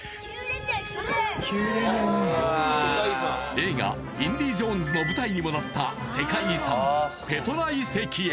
映画「インディ・ジョーンズ」の舞台にもなった世界遺産ペトラ遺跡へ